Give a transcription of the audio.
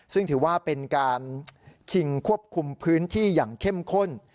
ซึ่งถือว่าเป็นการชิงควบคุมพื้นที่อย่างเข้มข้น